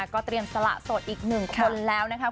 ก็เตรียมสละโสดอีกหนึ่งคนแล้วนะคะ